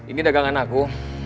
ini dagangan aku